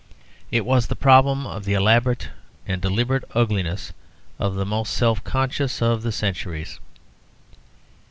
It was the problem of the elaborate and deliberate ugliness of the most self conscious of centuries.